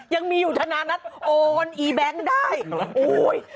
ยังมีอยู่ธนานัทโอนอีแบงค์ได้โอ้ย